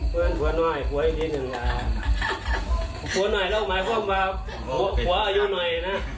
พูดหน่อยแล้วไหมว่าอยู่หน่อย๑๑๕